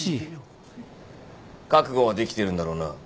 覚悟はできてるんだろうな？